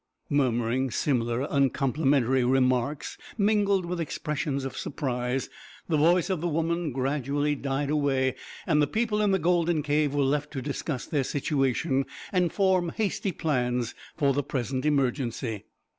Murmuring similar uncomplimentary remarks, mingled with expressions of surprise, the voice of the woman gradually died away, and the people in the golden cave were left to discuss their situation and form hasty plans for the present emergency.